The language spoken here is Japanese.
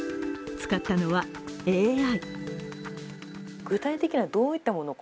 使ったのはＡＩ。